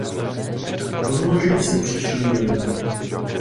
Rozmnožují se příčným dělením.